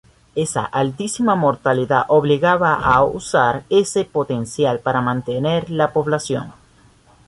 Esa altísima mortalidad obligaba a usar ese potencial para mantener la población.